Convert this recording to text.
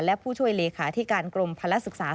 และผู้ช่วยเลขาที่การกรมภรรณสุขศาสตร์